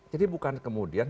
jadi bukan kemudian